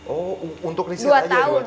oh untuk riset aja dua tahun